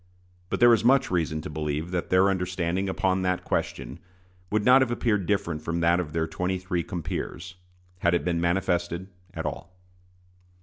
But there is much reason to believe that their understanding upon that question would not have appeared different from that of their twenty three compeers, had it been manifested at all.